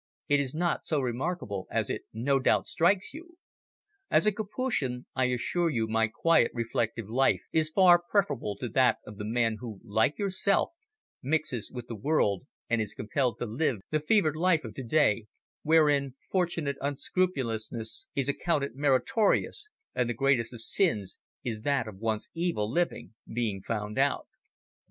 It is not so remarkable as it no doubt strikes you. As a Capuchin I assure you my quiet, reflective life is far preferable to that of the man who, like yourself, mixes with the world and is compelled to live the fevered life of to day, wherein fortunate unscrupulousness is accounted meritorious and the greatest of sins is that of one's evil living being found out."